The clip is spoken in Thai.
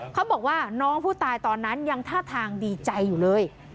เขาบอกว่าน้องผู้ตายตอนนั้นยังท่าทางดีใจอยู่เลย